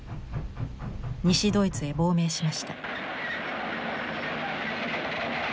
西ドイツへ亡命しました。